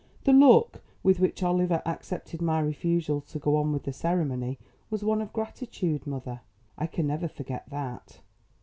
The look with which Oliver accepted my refusal to go on with the ceremony was one of gratitude, mother. I can never forget that.